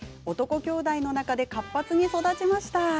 男きょうだいの中で活発に育ちました。